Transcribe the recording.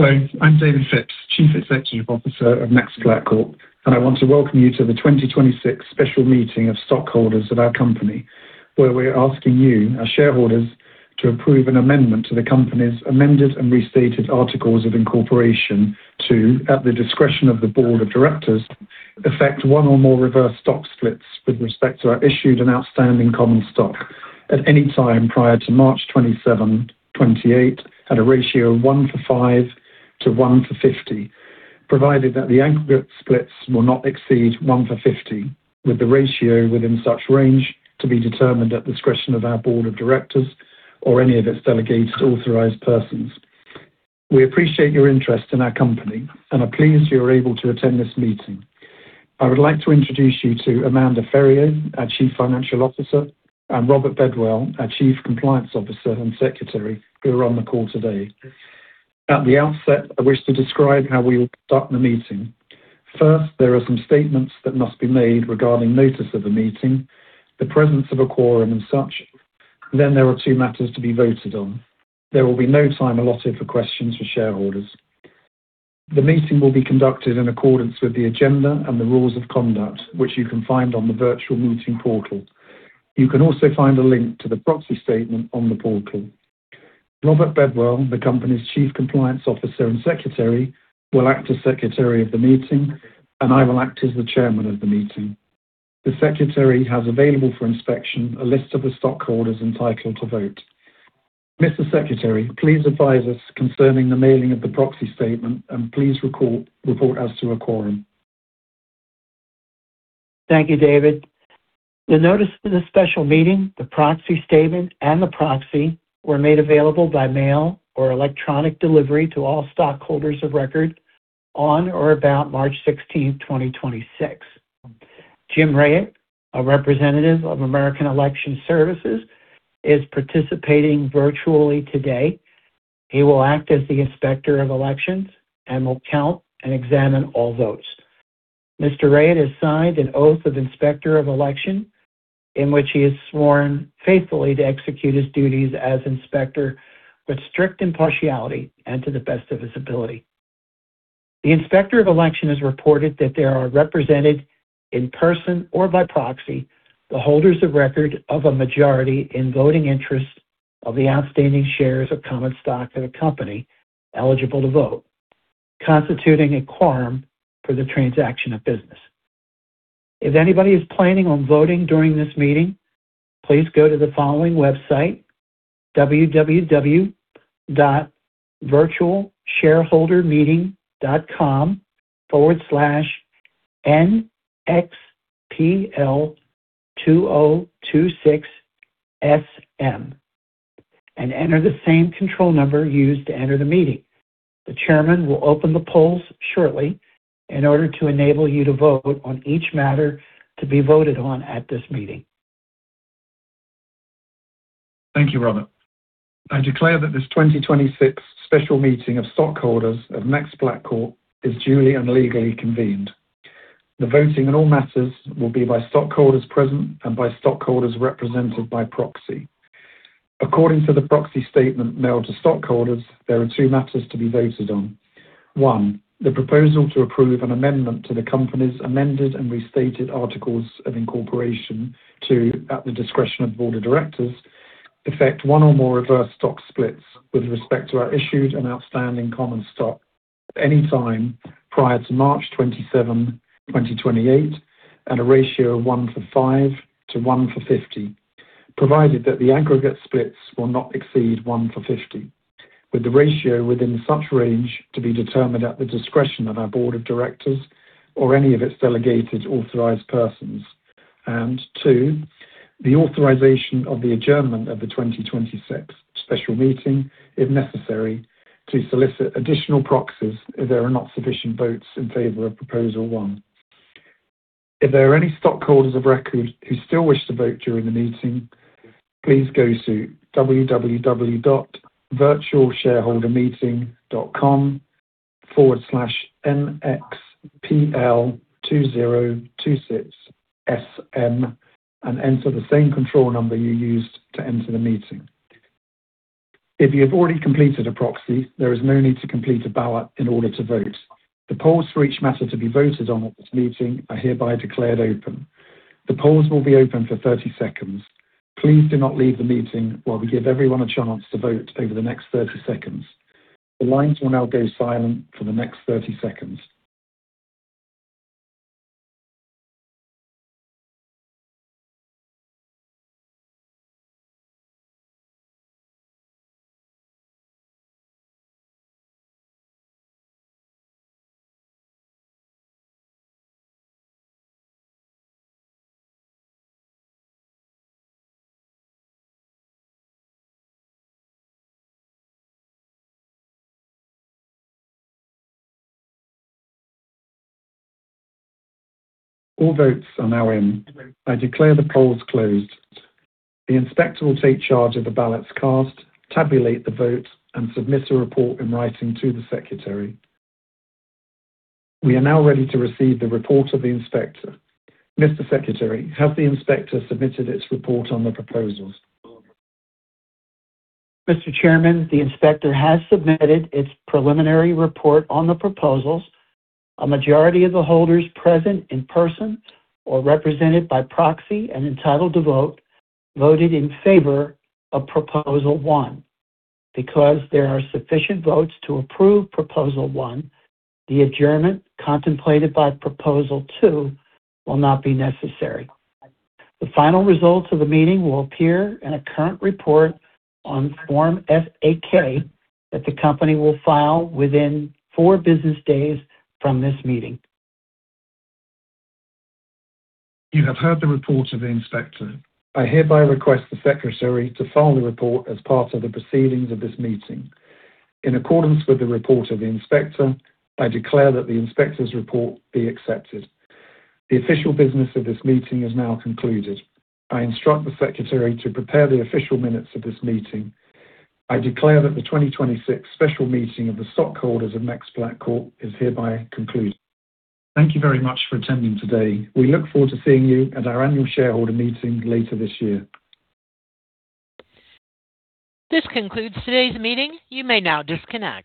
Hello, I'm David Phipps, Chief Executive Officer of NextPlat Corp, and I want to welcome you to the 2026 Special Meeting of Stockholders of our company, where we're asking you, our shareholders, to approve an amendment to the company's amended and restated articles of incorporation to, at the discretion of the board of directors, effect one or more reverse stock splits with respect to our issued and outstanding common stock at any time prior to March 27, 2028, at a ratio of 1-5 to 1-50, provided that the aggregate splits will not exceed 1-50, with the ratio within such range to be determined at the discretion of our board of directors or any of its delegated authorized persons. We appreciate your interest in our company and are pleased you are able to attend this meeting. I would like to introduce you to Amanda Ferrio, our Chief Financial Officer, and Robert Bedwell, our Chief Compliance Officer and Secretary, who are on the call today. At the outset, I wish to describe how we will conduct the meeting. First, there are some statements that must be made regarding notice of the meeting, the presence of a quorum and such. Then there are two matters to be voted on. There will be no time allotted for questions for shareholders. The meeting will be conducted in accordance with the agenda and the rules of conduct, which you can find on the virtual meeting portal. You can also find a link to the proxy statement on the portal. Robert Bedwell, the company's Chief Compliance Officer and Secretary, will act as Secretary of the meeting, and I will act as the Chairman of the meeting. The secretary has available for inspection a list of the stockholders entitled to vote. Mr. Secretary, please advise us concerning the mailing of the proxy statement and please report as to a quorum. Thank you, David. The notice of the special meeting, the proxy statement, and the proxy were made available by mail or electronic delivery to all stockholders of record on or about March 16, 2026. Jim Ray, a representative of American Election Services, is participating virtually today. He will act as the Inspector of Elections and will count and examine all votes. Mr. Ray has signed an Oath of Inspector of Election in which he has sworn faithfully to execute his duties as inspector with strict impartiality and to the best of his ability. The Inspector of Election has reported that there are represented, in person or by proxy, the holders of record of a majority in voting interest of the outstanding shares of common stock of the company eligible to vote, constituting a quorum for the transaction of business. If anybody is planning on voting during this meeting, please go to the following website, www.virtualshareholdermeeting.com/nxpl2026sm and enter the same control number used to enter the meeting. The chairman will open the polls shortly in order to enable you to vote on each matter to be voted on at this meeting. Thank you, Robert. I declare that this 2026 special meeting of stockholders of NextPlat Corp is duly and legally convened. The voting on all matters will be by stockholders present and by stockholders represented by proxy. According to the proxy statement mailed to stockholders, there are two matters to be voted on. One, the proposal to approve an amendment to the company's amended and restated articles of incorporation to, at the discretion of the board of directors, effect one or more reverse stock splits with respect to our issued and outstanding common stock at any time prior to March 27, 2028 at a ratio of 1-for-5-1-for-50, provided that the aggregate splits will not exceed 1-for-50, with the ratio within such range to be determined at the discretion of our board of directors or any of its delegated authorized persons. Two, the authorization of the adjournment of the 2026 special meeting, if necessary, to solicit additional proxies if there are not sufficient votes in favor of proposal one. If there are any stockholders of record who still wish to vote during the meeting, please go to www.virtualshareholdermeeting.com/nxpl2026sm and enter the same control number you used to enter the meeting. If you have already completed a proxy, there is no need to complete a ballot in order to vote. The polls for each matter to be voted on at this meeting are hereby declared open. The polls will be open for 30 seconds. Please do not leave the meeting while we give everyone a chance to vote over the next 30 seconds. The lines will now go silent for the next 30 seconds. All votes are now in. I declare the polls closed. The inspector will take charge of the ballots cast, tabulate the vote, and submit a report in writing to the secretary. We are now ready to receive the report of the inspector. Mr. Secretary, has the inspector submitted its report on the proposals? Mr. Chairman, the inspector has submitted its preliminary report on the proposals. A majority of the holders present in person or represented by proxy and entitled to vote voted in favor of proposal one. Because there are sufficient votes to approve proposal one, the adjournment contemplated by proposal two will not be necessary. The final results of the meeting will appear in a current report on Form 8-K that the company will file within four business days from this meeting. You have heard the report of the inspector. I hereby request the secretary to file the report as part of the proceedings of this meeting. In accordance with the report of the inspector, I declare that the inspector's report be accepted. The official business of this meeting is now concluded. I instruct the secretary to prepare the official minutes of this meeting. I declare that the 2026 special meeting of the stockholders of NextPlat Corp is hereby concluded. Thank you very much for attending today. We look forward to seeing you at our annual shareholder meeting later this year. This concludes today's meeting. You may now disconnect.